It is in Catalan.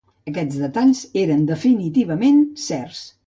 Aquests detalls eren definitivament certs.